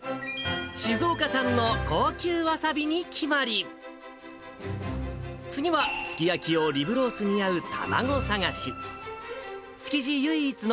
静岡産の高級わさびに決まり、次はすき焼き用リブロースに合う卵探し。